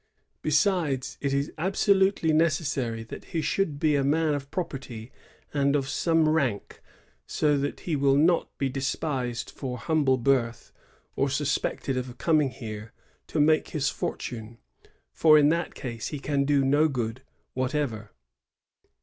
Besides, it is absolutely necessary that he should be a man of property and of some rank, so that he will not be despised for humble birth, or suspected of coming here to make his fortune ; for in that case he can do no good whatever."